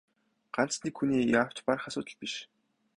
Ганц нэг хүний яавч барах асуудал биш.